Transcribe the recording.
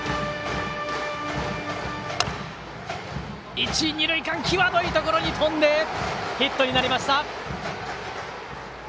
一、二塁間の際どいところに飛びヒットになりました。